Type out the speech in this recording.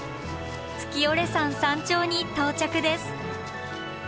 月居山山頂に到着です。